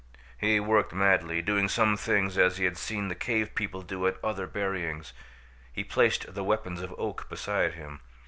He worked madly, doing some things as he had seen the cave people do at other buryings. He placed the weapons of Oak beside him.